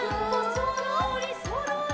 「そろーりそろり」